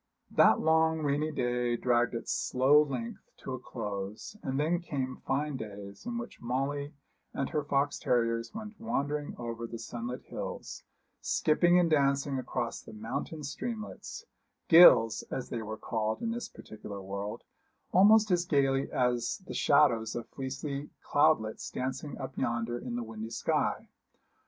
That long rainy day dragged its slow length to a close; and then came fine days, in which Molly and her fox terriers went wandering over the sunlit hills, skipping and dancing across the mountain streamlets gills, as they were called in this particular world almost as gaily as the shadows of fleecy cloudlets dancing up yonder in the windy sky.